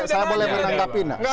saya boleh menangkapi